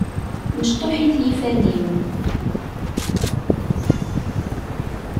Mecṭuḥit yiffan-im.